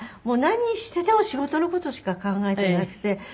もう何してても仕事の事しか考えてなくて。